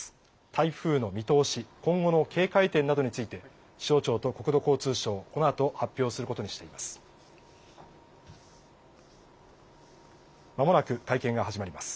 台風の見通し、今後の警戒点などについて気象庁と国土交通省、このあと発表することにしています。